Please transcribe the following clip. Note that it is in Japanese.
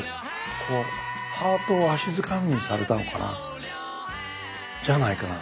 こうハートをわしづかみにされたのかなじゃないかな。